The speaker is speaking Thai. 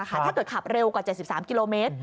ถ้าเกิดขับเร็วกว่า๗๓กิโลเมตร